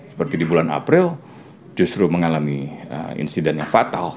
seperti di bulan april justru mengalami insiden yang fatal